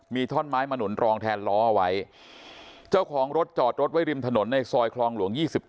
มีท่อนไม้มาหนุนรองแทนล้อเอาไว้เจ้าของรถจอดรถไว้ริมถนนในซอยคลองหลวง๒๗